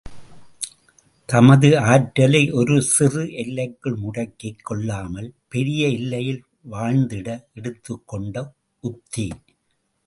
தமது ஆற்றலை ஒரு சிறு எல்லைக்குள் முடக்கிக் கொள்ளாமல் பெரிய எல்லையில் வாழ்ந்திட எடுத்துக் கொண்ட உத்தி.